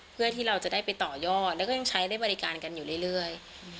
เพื่อที่เราจะได้ไปต่อยอดแล้วก็ยังใช้ได้บริการกันอยู่เรื่อย